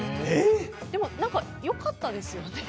でも、よかったですよね。